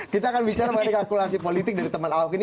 kita akan bicara balik kalkulasi politik dari teman ahok ini